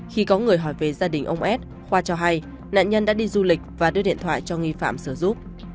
khi có người hỏi về gia đình ông s khoa cho hay nạn nhân đã đi du lịch và đưa điện thoại cho nghi phạm sử dụng